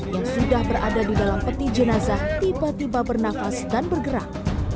yang sudah berada di dalam peti jenazah tiba tiba bernafas dan bergerak